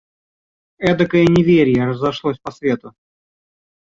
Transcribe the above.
Эдакое неверье разошлось по свету!